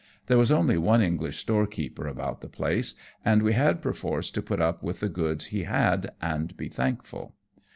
There was only one English storekeeper about the place, and we had perforce to put up with the goods he had, and be thankful.